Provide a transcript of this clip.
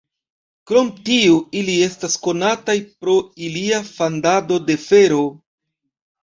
Krom tio ili estas konataj pro ilia fandado de fero.